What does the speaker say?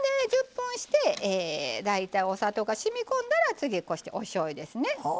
１０分して大体お砂糖がしみこんだら次は、おしょうゆですね。